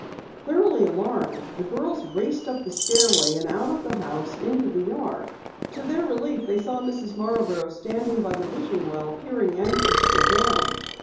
Thoroughly alarmed, the girls raced up the stairway and out of the house into the yard. To their relief they saw Mrs. Marborough standing by the wishing well, peering anxiously down.